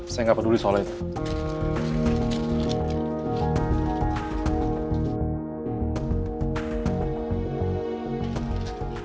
saya nggak peduli soal itu